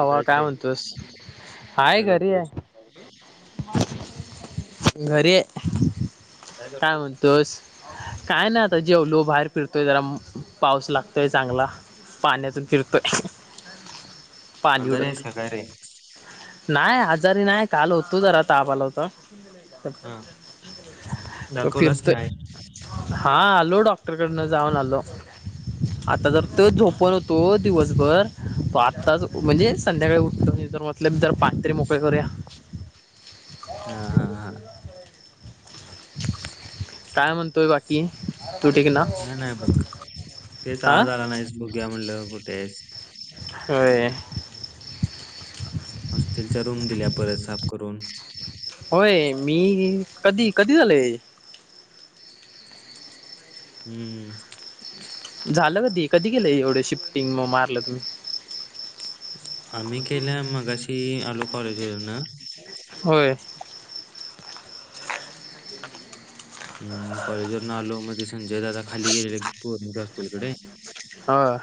कुठे आहेस काय रे म्हणतोस? [inaudible] हाय काय घरी हाय करतोस [inaudible] घरिये [inaudible] काय म्हणतोस? काय नाही आता जेवलो बाहेर फिरतोय जरा -पाऊस लागतोय चांगला [inaudible] पाण्यातून फिरतोय [inaudible] पाणी आतारे उडत सकारे [unintelligible] नाही आजारी नाही काल होतो जरा [inaudible] ताप आला होता [inaudible] हा तर दाखवलास की फिरतोय नाही हा आलो डॉक्टरकडनं जाऊन आलो [inaudible] [inaudible] आता जर त झोपण होतो दिवसभर [inaudible] तो आत्ताच- म्हणजे संध्याकाळी उठतो तर म्हटलो तर पाय तरी मोकळे करूया हा- हा -हा काय म्हणतोय बाकी? [inaudible] ना काय नाही बघ तेच हा आज आला नाहीस बघूया म्हटलं कुठेस होय [inaudible] हॉस्टेलच्या रूम दिल्या परत साफ करून होय मी कधी- कधी झाल हे? हम्म... झालं कधी -कधी गेलं एवढं शिफ्टिंग मग मारलं तुम्ही? [inaudible] आम्ही केल्या मगाशी आलो कॉलेजवरन होय [inaudible] हम्म कॉलेज वर ना आलो मध्ये संजय दादा खाली गेलेले पोरिंच्या हॉस्टेलकडे होय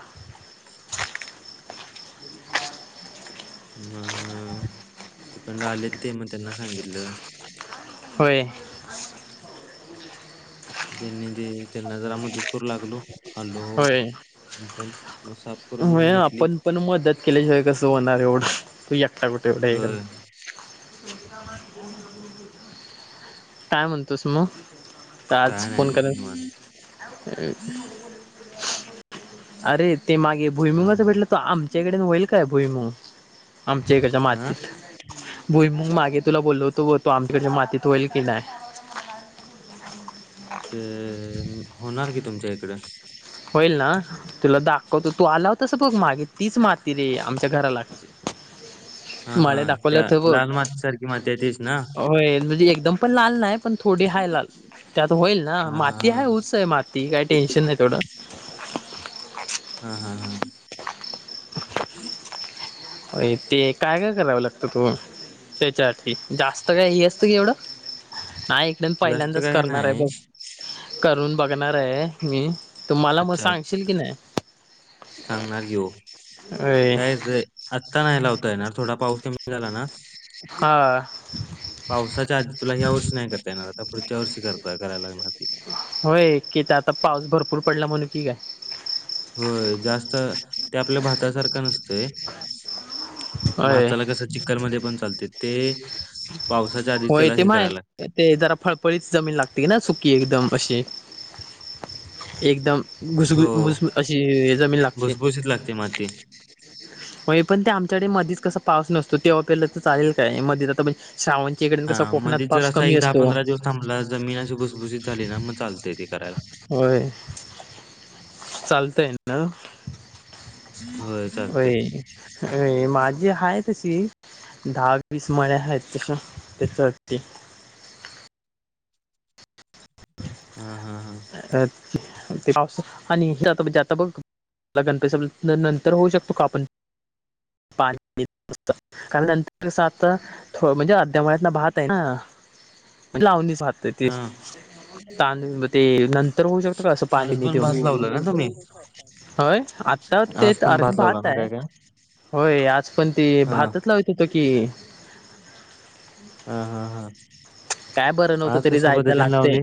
म अ तिकडन आलेत ते मग त्यांना सांगितलं होय [inaudible] त्यांनी- जे त्यांना जरा मदत करू लागलो आलो आपण मग साफ [inaudible] करून होय घेतली आपण पण मदत केल्याशिवाय कसं होणार एवढं तू एकटा कुठ तेवढ हे करा होय [unintelligible] काय म्हणतोस मग? [inaudible] काय आज नाही फोन बघ कर [unintelligible] निवांत. अरे ते मागे अ भुईमंगाच भेटलं तो आमच्याकडेन होईल काय भुईमग? [inaudible] आमच्या एकाच्या हा मातीत भुई मग मागे तुला बोललो होतो तू आमच्याकडच्या मातीत होईल की नाही ते होणार की तुमच्या इकड होईल ना तुला दा कत तू आला तस बघ मागे तीच माती रे आमच्या घरा हा लागते हा माळे ाकले त्या ठब लाल माती सारखी माती आहे तीच ना? हो एक एकदम पण लाल नाही पण थोडी हा लाल त्यात होईल ना हा हा माती हा ह उच आहे माती काय टेन्शन नाही थोडं मतछढ हा हा हा ते काय काय करावं लागतं तू त्याच्या जास्त काय हे असत की एवढं नाही एकदम जास्त पहिल्यांदाच काय करणार आहे नाही बघ करून बघणार आहे मी तुम्हाला मग अच्छा सांगशील की नाही सांगणार की हो होय. काय आत्ता नाहीला होत णार थोडा पाऊस कमी झाला ना हा पावसाच्या आधी तुला ह्या वर्षी नाही करता येणार आता पुढच्या वर्षी करता कराला लागणार ती होय की आता पाऊस भरपूर पडला म्हणून की काय होय जास्त ते आपल्या भात सारखं नसतंय होय. भाताला कस चिक्कल मध्ये पण चालते ते पावसाच्या आधी होय त्याला ते हे माय करायला लागते. ते जरा फळफळीत जमीन लागते की ना सुकी एकदम अशी. एक एकदम घुस घुस हो भुस अशी जमीन लागते. भुसभुशीत लागते माती. होय पण ते आमच्याकडे मधीच कसं.. पाऊस नसतो तवा पेरल तर चालेल काय मध्ये आता पण श्रावण.. हा मध्ये जर असा एक दहा पंधरा दिवस थांबला जमीन अशी भुसभुशीत झाली ना मग चालतेय ते करायला. होय. [inaudible] चालतय ना. होय अ माझी हाय.. तशी दहा वीस मळ्या आहेत तशा त्याच्या साठी. हा हा हा. अ ते पाऊसात आणि ते आता जे आता बघ. लगणपस नंतर होऊ शकतो का आपण पाणी.. नुसत कारण नंतरसआता होम्हणजे आ त्यामळ्यातला भात आहे ना. लावणीचहतय ते. हां, तांदू ते नंतर होऊ शकत का असं आज पाणीने पण देऊन. भात लावला ना तुम्ही? होय आता ते आज तर पण अर्धा लावला भात ना आहे. काय काय? होय आज पण ते हां, भात लावत होत की. ह ह ह. काय बरं नव्हतं तरी जायचं लागते लावले?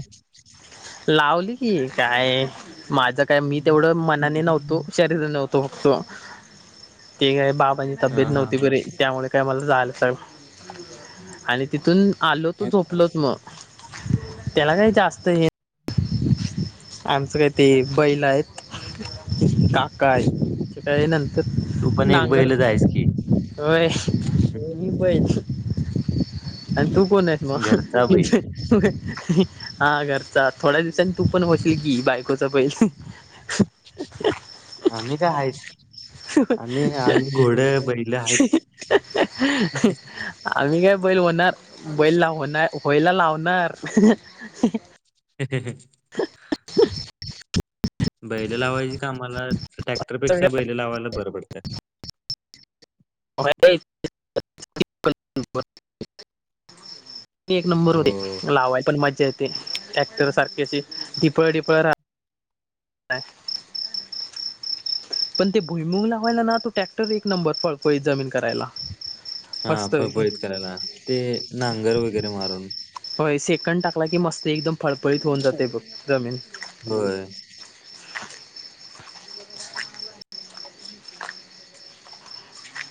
लावली की काय. माझं काय मी तेवढं मनाने नव्हतो शरीर नव्हतो. तो ते काय बाबांची तब्येत हां, हां, नव्हती हां. बरी त्यामुळे.. काय मला जाला आणि तिथून आलो तो झोप... अच्छा, आपलच अच्छा. मग त्याला काय जास्त हे. आमचं काही ते बैल आहेत काका आहेत काय नंतर.. तू तर पण एक नांगर बैलच आहेस की, हय मी प.. आणि तू कोन हेस मग घरचा बैल. हहही हा करर.. चा थोड्या दिवांनी तू पण होशी... बायकोचा बैल हहहह. ह मी काय हायच. अहहह आहेच. अहहह आम्ही काय.. बैल होणार. बैला होणार, होयला लावणार ह ह ह. बैले लावायची कामाला. ट्रॅक्टरपेक्षा बैले लावायला बर पडतं. [inaudible] एक नंबर उरे. हो. लावायला पण मजा येते, ट्रॅक्टर सारख. कस टिपळ टिपळ राहा... काय.. पण ते भुईमुग लावायला ना, तो ट्रॅक्टर एक नंबर. फळफलीत जमीन करायला. हा मस्त पैकी. फळफळीत करायला, ते नांगर वगैरे मारून. कण टाकला की मस्त, एकदम फळफळीत होऊन जाते बघ जमीन. होय [inaudible]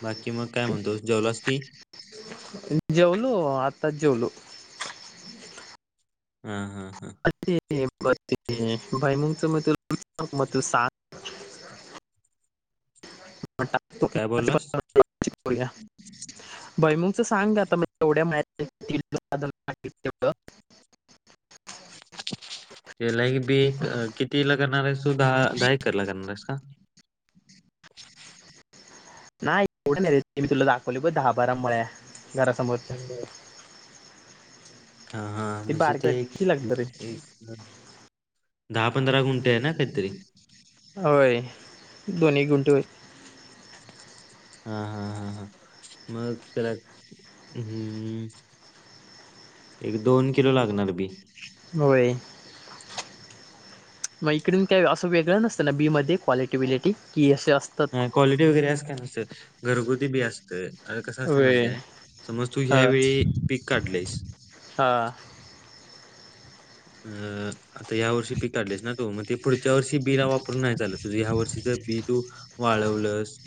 बाकी मग काय म्हणतोस? जेवलास की जेवलो. आत्ताच जेवलो. हम् हम्.. [unintelligible] [inaudible] काय बोललास भैमुगच सांग आता एवढ्यावढ. [inaudible] त्याला हे बी किती ल.. करणार आहेस तू दहा दहा एकरला करणार आहेस का? नाही एवढं नाही र, मी तुला दाखवली ब दहा बारा मळ्या घरा समोरच्या हा हा म्हणजे ते एक. किती लागलं रे एक दहा पंधरा गुंठे आहे ना काहीतरी? होय. दोन-एक गुंठे होत हा हा हा हा मग त्याला हुं हुं हुं एक, दोन किलो लागणार बी. होय. मग इकडून काय असं वेगळं नसतं ना, बी मध्ये क्वालिटी- बीलिटी की अस नाय. क्वालिटी वगैरे अस काही नसंत घरगुती बी असतं. आता कस असतय माहिती होय आहे, समज तू ह्या हां वेळी पीक काढलंयस. हां अं आता या वर्षी पीक काढलेस ना तू, मग ते पुढच्या वर्षी बि ला वापरून नाही चालत तुझ ह्या वर्षीच बी तू वाळवलस,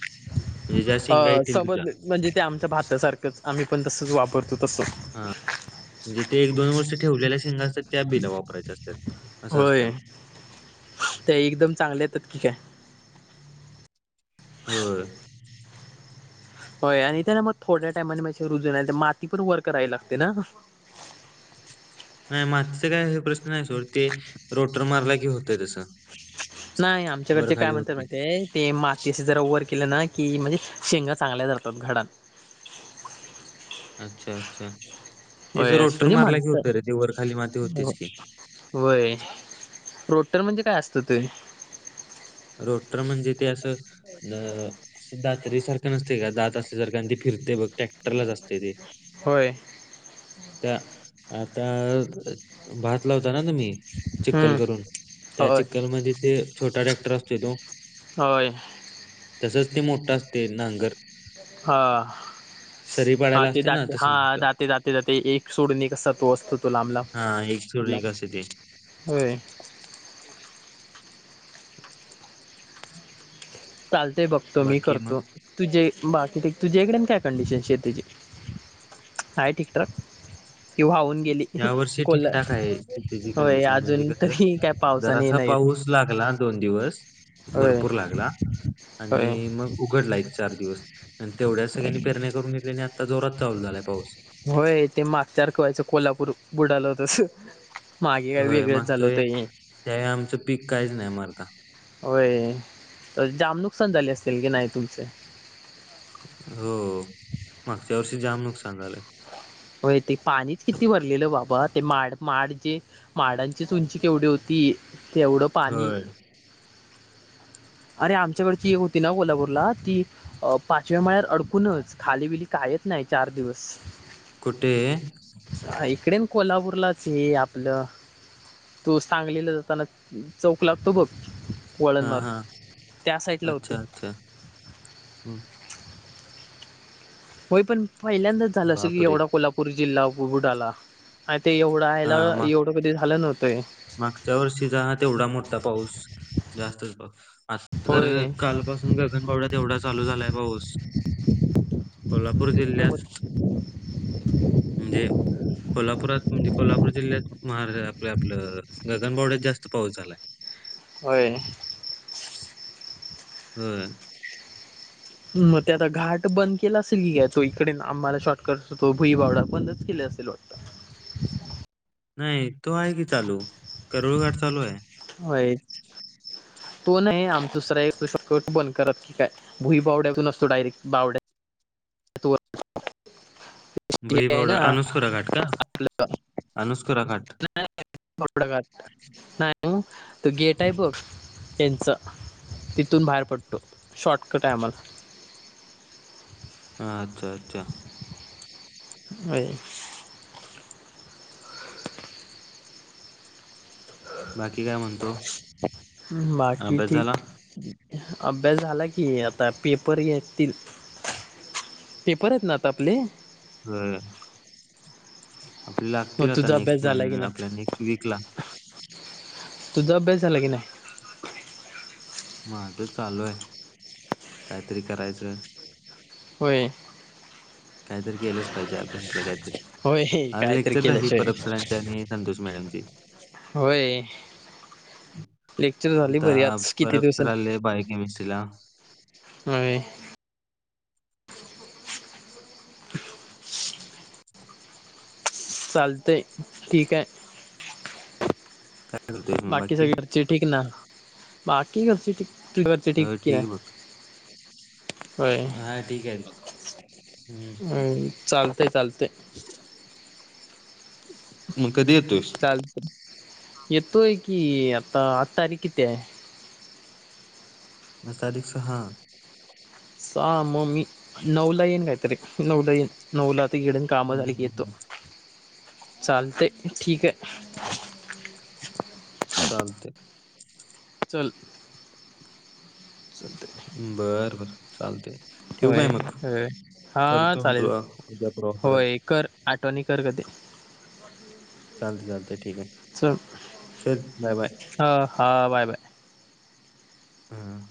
अ समजलं, म्हणजे ते आमच्या भातासारखंच आम्ही पण तसच वापर. तु तस. हा म्हणजे ते एक दोन वर्ष ठेवलेल्या शेंगाच असतात. त्या बि ला वापरायच्या असतात. असं होय. असतं ते एकदम चांगल्या येतात की काय? होय. होय आणि इथं ना, त्याना मग थोड्या टायमाने रुजून माती पण वर करावी लागते ना. [unintelligible] नाय मागचे सगळयांचे प्रश्न नाही, सोड ते, रोटर मारला की होतय तसं नाय, वर आमच्याकडचे काय खाली म्हणतंयत होते माहितय ते मातीशी जरा वर केलं ना की म्हणजे शेंगा चांगल्या झडतात. घडात अच्छा अच्छा. त्याच वय असं रोटर म्हणजे मारला की म्हणत होतं रे ते वर खाली माती होतेच की वय रोटर म्हणजे काय असतं ते? रोटरी म्हणजे ते असं अ दातरी सारखं नसते काय, दात असल्यासारखं आणि ते फिरतंय बग ट्रॅक्टरलाच असतंय ते. होय त्या आता भात लावत करा ना मी चिक्कल हम्म करून त्या होय चिककल मध्ये ते छोटा ट्रॅक्टर असतोय तो होय तसंच ते मोठा असतय नांगर हा सरी हा पाडायला ते असते ना दाते तसं हा मोठं जाते जाते जाते एक सोडण एक अस तो असतो तो लांबलांब हा एक सोडून एक असतय ते होय चालतेय बघतो मी बाकी मग करतो तु [unintelligible] बाकी ठीक तुझ्या इकडेन काय कंडिशन शेतीची आहे ठीकठाक ती वाहून गेली या वर्षी कोल ठीकठाक आहे त्याची होय कंडिशन म्हणजे अजून कसं तरी काय पावसाने जरासा नाही येत पाऊस लागला दोन दिवस होय भरपूर लागला होय आणि मग उघडला एक चार दिवस आणि तेवढ्या सगळ्यांनी पेरण्या करून घेतल्या आणि आता जोरात चालु झालाय पाऊस होय ते मागच्या रख व्हायचं कोल्हापूर बुडाल तस मागे काय होय वेगळंच झालं मागचं होतं हे त्यावे आमचं पीक काहीच नाही मर्दा होय जाम नुकसान झाले असतील की नाही तुमचं हो मागच्या वर्षी जाम नुकसान झालंय होय ते पाणीच किती भरलेलं बाबा ते माड माड जे माडांची च उंची केवढी होती तेवढं पाणी होय. [inaudible] अरे आमच्याकडची होती ना कोल्हापूरला ती पाचव्या मळ्यात अडकूनच खाली बिली का आहेत ना चार दिवस कुठे इकडे कोल्हापूरलाचं हे आपलं तू सांगलीला जाताना चौक लागतो बघ. वळण हां, मारून हां. त्या साईडला होते. अच्छा, अच्छा. हं. होय पण पहिल्यांदाचं झालं असेल बापरे! एवढा कोल्हापूर जिल्हा बुडाला. ते एवढं याला हां, माग एवढं कधी झालं नव्हतंय. आ पाऊस जास्तच पा आता तर होय कालपसून गगनबावड्यात तेवढाच चालू झालाय पाऊस कोल्हापूर जिल्ह्यात म्हणजे कोल्हापुरात म्हणजे कोल्हापूर जिल्ह्यात महार आपलं आपलं गगनबावड्यात जास्त पाऊस झालाय. होय. होय मग ते आता घाट बंद केला असेल कि घ्यायचो इकडे आम्हाला शॉर्टकट असतो भुई बावडा बंदचं केला. [unintelligible] नाही तो आहे कि चालू करुळघाट चालू आहे. होय [inaudible] तो नाही आमचा दुसरा एक शॉर्टकट बंद करत की काय भुई बावड्यातून असतो डायरेक्ट बावड्या [unintelligible] [unintelligible] [unintelligible] भुईबावडा, अनुस्कुरा घाट का? अनुस्कुरा घाट. गेट आहे बघ यांच तिथून बाहेर पडतो शॉर्टकट आहे आम्हाला. ह अच्छा अच्छा. होय बाकी काय म्हणतो? बाकी अभ्यास ठीक. झाला? अभ्यास झाला की आता पेपर घेतील पेपर आहेत ना आता आपले हा आपल्या मग लागतील आता तुझा अभ्यास नेक्स्ट झाला की महिन्या आपल्या नाही नेक्स्ट वीक ला तुझा अभ्यास झाला की नाही. माझं चालू आहे कायतरी करायचं. होय. काहीतरी केलंच पाहिजे अभ्यासातलं काय होय आज काहीतरी लेक्चर झाली केल्याशिवाय परब सरांच्या आणि संतोष मॅडम. होय लेक्चर झाली आता बरी आज किती परबसरआले आहे बाय केमिस्ट चला नाही. चालतय ठीक आहे. काय करतोयस मग बाकी सगळ्याचे ठीक ना बाकी घरची ठीक ना. घरचे ठीक हो आहे बघ. होय हां ठीक आहे बघ. हं. चालत चालते. मग कधी येतोस. चालतंय येतोय की आता आज तारीख किती आहे आजतारीख सहा. सहा मग मी नऊला येईन काहीतरी नऊला येईन नऊ ला. त घडून कामं हं, झाली क हं, येतो हं. चालत ठीक आहे. चालते का ल सलते आहे बर बर चालते ठेव काय मग होय हा करतो चालेल तुला उद्यापूर्वा परत [inaudible] होय बा चालते चालते ठीक आहे ल बाय बाय हा हा बाय बाय हम